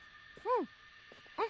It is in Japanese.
うん。